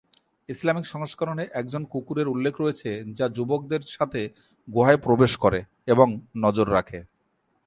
Islamic সংস্করণে একজন কুকুরের উল্লেখ রয়েছে যা যুবকদের সাথে গুহায় প্রবেশ করে এবং নজর রাখে।